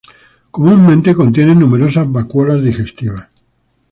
Comúnmente contienen numerosas vacuolas digestivas.